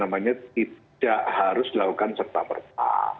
tidak harus dilakukan serta merta